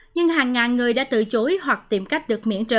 nhưng hàng ngàn người đã tự chối hoặc tìm cách được